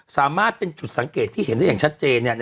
สามารถเป็นจุดสังเกตที่เห็นได้อย่างชัดเจน